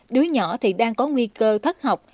đứa nhỏ thì đang có nguy cơ thất học